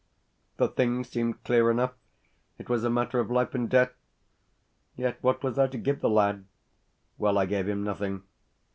The thing seemed clear enough; it was a matter of life and death. Yet what was I to give the lad? Well, I gave him nothing.